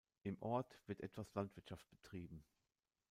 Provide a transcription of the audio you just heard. Im Ort wird etwas Landwirtschaft betrieben.